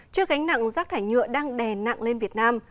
trước gánh nặng rác thải nhựa đang đè nặng lên việt nam